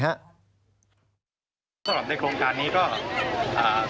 สำหรับในโครงการนี้ก็อ่า